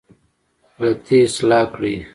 غلطي اصلاح کړې.